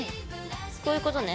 こういうことね。